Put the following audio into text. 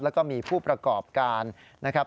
แล้วก็มีผู้ประกอบการนะครับ